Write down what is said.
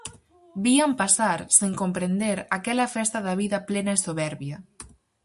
Vían pasar, sen comprender, aquela festa da vida plena e soberbia.